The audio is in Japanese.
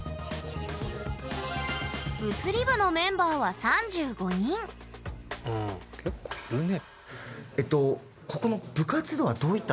物理部のメンバーは３５人うん結構いるね。